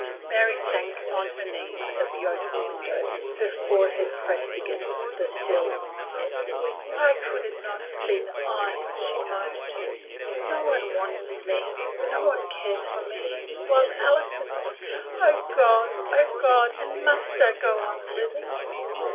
Mary sank on her knees at the open win dow, her forehead pressed against the sill. 278 THE 8T0RY OF A MODERN WOMAN. "Why could it not have been I?" she moaned. " No one wants me, no one cares for me ; while Alison O God ! O God ! and must I go on living